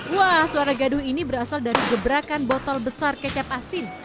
wah suara gaduh ini berasal dari gebrakan botol besar kecap asin